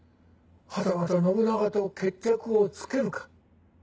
はたまた信長と決着をつけるか。